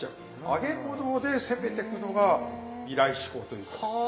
揚げ物で攻めてくのが未来志向というかですね。